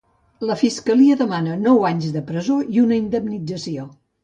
La fiscalia demana nou anys de presó i una indemnització.